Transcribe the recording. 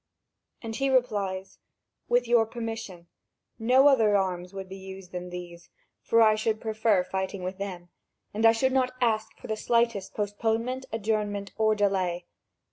And he replies: "With your permission, no other arms would be used than these, for I should prefer to fight with them, and I should not ask for the slightest postponement, adjournment or delay.